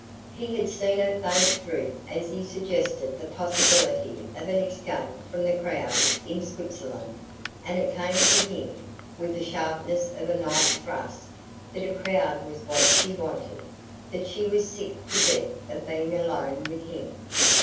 He had seen her face droop as he suggested the possibility of an escape from the crowds in Switzerland, and it came to him, with the sharpness of a knife thrust, that a crowd was what she wanted that she was sick to death of being alone with him.